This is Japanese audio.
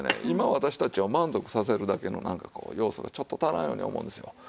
今私たちを満足させるだけのなんかこう要素がちょっと足らんように思うんですわ。